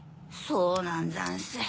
そうなんざんす。